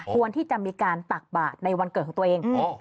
ควรที่จะมีการตักบาทในวันเกิดของตัวเอง